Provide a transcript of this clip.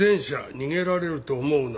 逃げられると思うな」